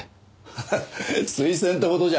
ハハ推薦ってほどじゃ。